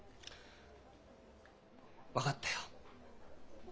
分かったよ。